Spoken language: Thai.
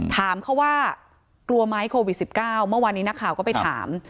ถามเขาว่ากลัวไหมโควิด๑๙เมื่อวานนี้นักข่าวก็ไปถาม